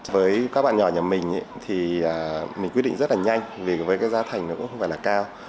với các bạn nhỏ nhà mình thì mình quyết định rất là nhanh vì với cái giá thành nó cũng không phải là cao